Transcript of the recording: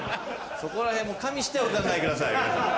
そこら辺も加味してお考えください。